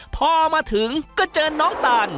พอมาถึงก็เจอน้องตาน